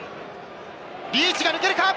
リーチが抜けるか？